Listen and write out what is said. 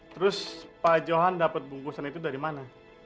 terus pak johan dapat bungkusan itu dari mana